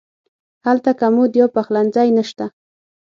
هلته کمود یا پخلنځی نه شته.